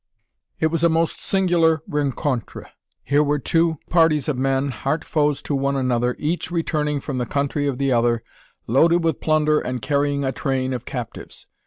It was a most singular rencontre. Here were two parties of men, heart foes to one another, each returning from the country of the other, loaded with plunder and carrying a train of captives!